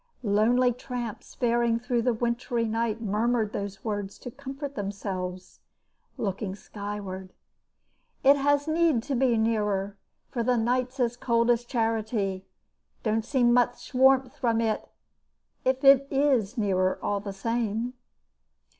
Lonely tramps faring through the wintry night murmured those words to comfort themselves looking skyward. "It has need to be nearer, for the night's as cold as charity. Don't seem much warmth from it if it is nearer, all the same."